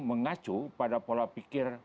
mengacu pada pola pikir